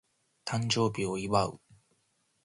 誕生日を祝う